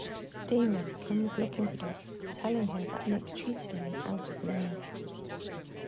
Damion comes looking for Dot, telling her that Nick cheated him out of money.